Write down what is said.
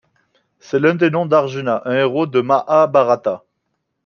C'est l'un des noms d'Arjuna, un héros du Mahābhārata.